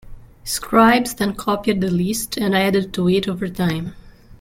Scribes then copied the List and added to it over time.